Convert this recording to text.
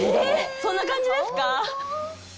そんな感じですか？